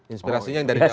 inspirasinya dari dalam itu